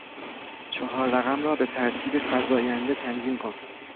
چهار رقم را به ترتیب فزاینده تنظیم کن.